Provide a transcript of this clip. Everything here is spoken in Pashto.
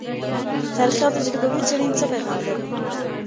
تاریخي او تجربوي څیړنې څه پیغام لري؟